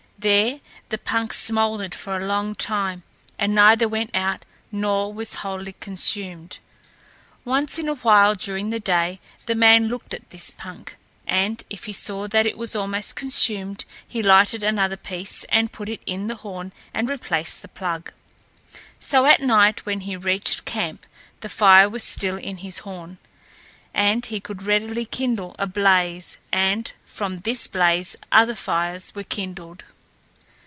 There the punk smouldered for a long time, and neither went out nor was wholly consumed. Once in a while during the day the man looked at this punk, and, if he saw that it was almost consumed, he lighted another piece and put it in the horn and replaced the plug. So at night when he reached camp the fire was still in his horn, and he could readily kindle a blaze, and from this blaze other fires were kindled.